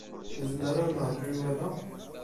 Nezmer ad neṛǧu Yuba da?